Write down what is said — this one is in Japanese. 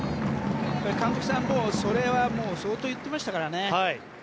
監督さんはそれは相当言ってましたからね。